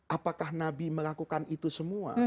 apakah nabi melakukan itu semua